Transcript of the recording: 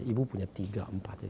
ibu punya tiga empat